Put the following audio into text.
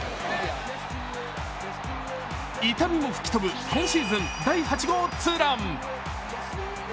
痛みも吹き飛ぶ今シーズン第８号ツーラン。